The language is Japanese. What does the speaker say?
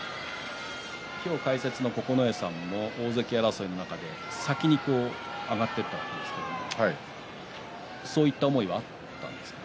今日、解説の九重さんも大関争いの中で、先に上がっていったわけですけどそういった思いはあったんですか。